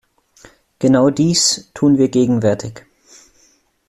Genau dies tun wir gegenwärtig.